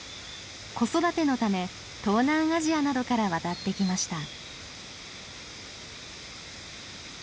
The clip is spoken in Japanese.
子育てのため東南アジアなどから渡ってきました。